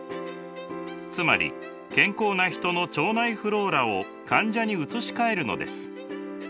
つまり健康なヒトの腸内フローラを患者に移し替えるのです。